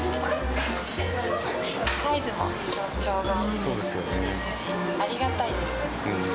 サイズもちょうどですし、ありがたいです。